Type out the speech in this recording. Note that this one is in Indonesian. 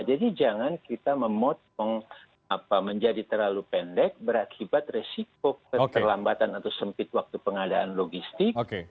jadi jangan kita memotong menjadi terlalu pendek berakibat resiko keterlambatan atau sempit waktu pengadaan logistik